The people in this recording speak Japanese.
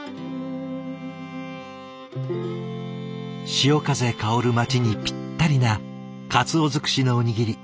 潮風薫る町にぴったりな鰹尽くしのおにぎり。